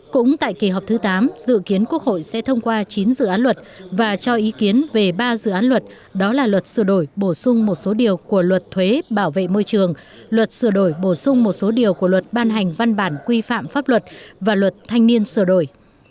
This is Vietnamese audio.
cũng tại kỳ họp thứ tám dự kiến quốc hội sẽ thông qua chín dự án luật và cho ý kiến về ba dự án luật đó là luật sửa đổi bổ sung một số điều của luật thuế bảo vệ môi trường luật sửa đổi bổ sung một số điều của luật ban hành văn bản quy phạm pháp luật và luật thanh niên sửa đổi